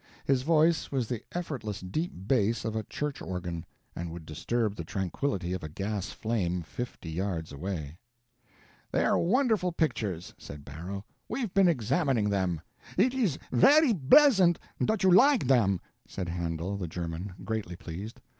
His voice was the effortless deep bass of a church organ, and would disturb the tranquility of a gas flame fifty yards away. p165.jpg (16K) "They're wonderful pictures," said Barrow. "We've been examining them." "It is very bleasant dot you like dem," said Handel, the German, greatly pleased.